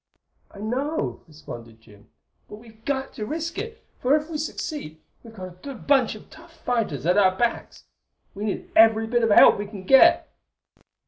"I know," responded Jim, "but we've got to risk it, for if we succeed we've got a good bunch of tough fighters at our backs. We need every bit of help we can get!"